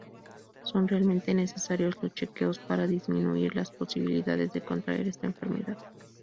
Son realmente necesarios los chequeos para disminuir las posibilidades de contraer esta enfermedad.